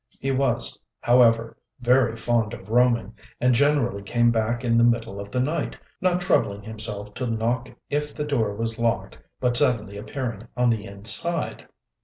He was, however, very fond of roaming, and generally came back in the middle of the night, not troubling himself to knock if the door was locked but suddenly appearing on the inside.